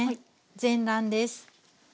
全卵です。